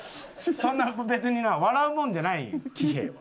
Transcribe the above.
そんな別にな笑うもんじゃないんよ